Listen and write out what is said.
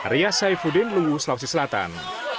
ria saifuddin luwu sulawesi selatan